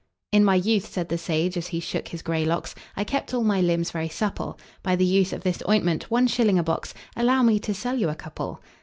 "In my youth," said the sage, as he shook his grey locks, "I kept all my limbs very supple By the use of this ointment one shilling a box Allow me to sell you a couple?"